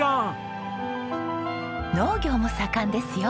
農業も盛んですよ。